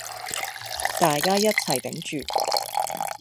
大家一齊頂住